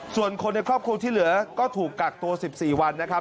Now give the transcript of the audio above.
ส่วนคนในครอบครัวที่เหลือก็ถูกกักตัว๑๔วันนะครับ